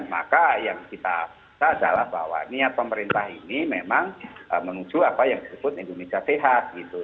maka yang kita adalah bahwa niat pemerintah ini memang menuju apa yang disebut indonesia sehat gitu